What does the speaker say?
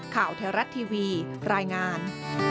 ข่าวแทรศทีวีรายงาน